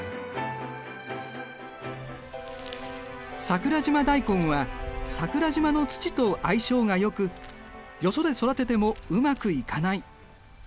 桜島大根は桜島の土と相性がよくよそで育ててもうまくいかない。